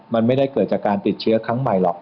มันไม่ได้เกิดจากการติดเชื้อครั้งใหม่หรอก